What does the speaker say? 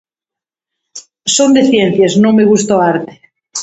Son de ciencias, non me gusta o arte.